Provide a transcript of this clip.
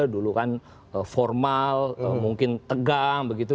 dulu kan formal mungkin tegang begitu